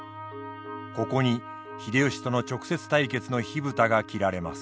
ここに秀吉との直接対決の火蓋が切られます。